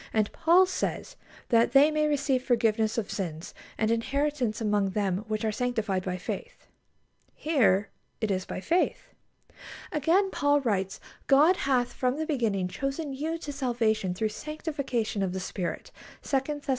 And Paul says: "That they may receive forgiveness of sins, and inheritance among them which are sanctified by faith." Here it is by faith. Again, Paul writes: "God hath from the beginning chosen you to salvation through sanctification of the Spirit" (2 Thess.